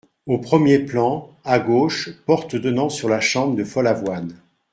Au premier plan, à gauche, porte donnant sur la chambre de Follavoine.